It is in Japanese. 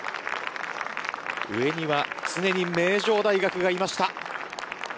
上には常に名城大学がいました。